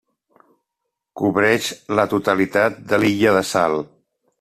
Cobreix la totalitat de l'illa de Sal.